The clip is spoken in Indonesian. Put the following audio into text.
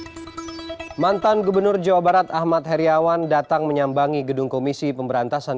hai mantan gubernur jawa barat ahmad heriawan datang menyambangi gedung komisi pemberantasan